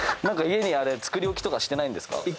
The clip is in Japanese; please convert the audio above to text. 何か家に作り置きとかしてないんですか？